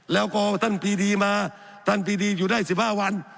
แล้วพอท่านปีดีมาท่านปีดีอยู่ได้๑๕วัน